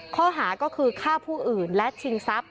ข้อหาก็คือฆ่าผู้อื่นและชิงทรัพย